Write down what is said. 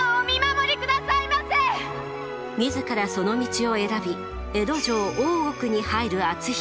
自らその道を選び江戸城大奥に入る篤姫。